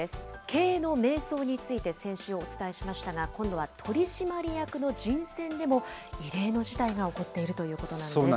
経営の迷走について先週お伝えしましたが、今度は取締役の人選でも、異例の事態が起こっているということなんです。